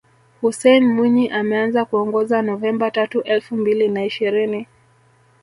Hussein Mwinyi ameanza kuongoza Novemba tatu elfu mbili na ishirini